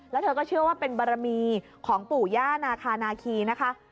แล้วเธอก็เชื่อว่าเป็นบารมีของปู่ย่านาคานาคีนะคะ